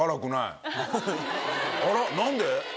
あら何で？